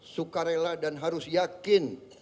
suka rela dan harus yakin